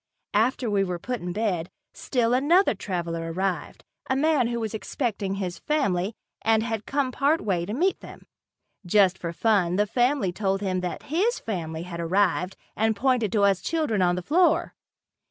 After we were put in bed, still another traveler arrived, a man who was expecting his family and had come part way to meet them. Just for fun the family told him that his family had arrived and pointed to us children on the floor.